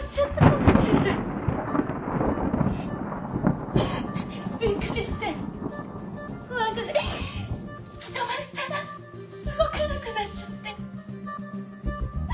えっ？びっくりして怖くて突き飛ばしたら動かなくなっちゃって。